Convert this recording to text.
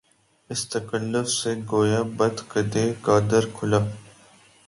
اس تکلف سے کہ گویا بت کدے کا در کھلا